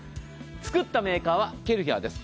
作ったメーカーはケルヒャーです。